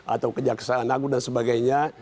atau kejaksaan agung dan sebagainya